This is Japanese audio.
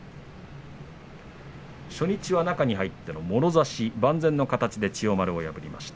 初日は中に入ってのもろ差し万全の形で千代丸を破っています。